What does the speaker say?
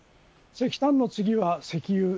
石炭の次は石油